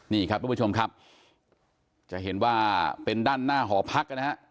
นี่ครับทุกผู้ชมครับจะเห็นว่าเป็นด้านหน้าหอพักนะฮะ